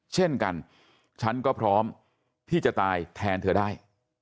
เช่นกันฉันก็พร้อมที่จะตายแทนเธอได้